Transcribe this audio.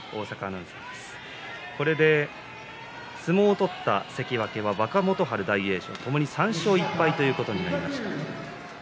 相撲を取った関脇は若元春、大栄翔ともに３勝１敗になりました。